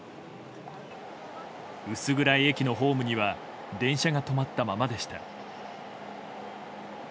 薄暗い駅のホームには電車が止まったままでした。